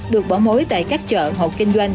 được bỏ mối tại các chợ hộ kinh doanh